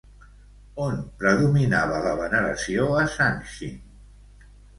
On predominava la veneració a Sanshin?